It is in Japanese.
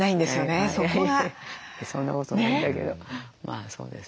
そんなことないんだけどまあそうですね。